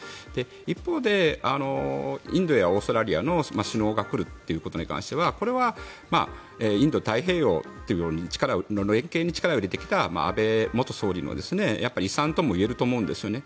一方でインドやオーストラリアの首脳が来るということに関してはこれはインド太平洋の連携に力を入れてきた安倍元総理の遺産ともいえると思うんですよね。